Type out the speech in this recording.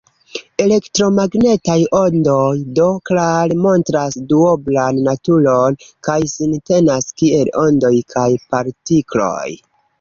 Elektromagnetaj ondoj do klare montras duoblan naturon, kaj sin tenas kiel ondoj kaj partikloj.